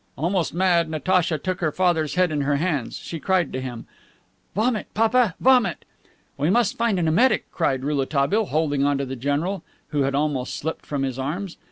Almost mad, Natacha took her father's head in her hands. She cried to him: "Vomit, papa; vomit!" "We must find an emetic," cried Rouletabille, holding on to the general, who had almost slipped from his arms.